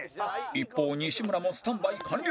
一方西村もスタンバイ完了